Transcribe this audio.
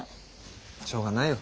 しょうがないよ。